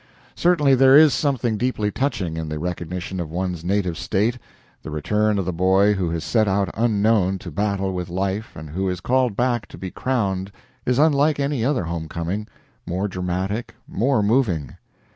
Certainly there is something deeply touching in the recognition of one's native State; the return of the boy who has set out unknown to battle with life and who is called back to be crowned is unlike any other home coming more dramatic, more moving.